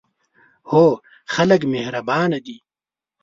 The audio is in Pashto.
هو، خلک مهربانه دي